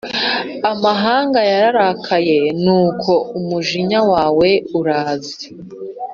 Amahanga yararakaye nuko umujinya wawe uraza,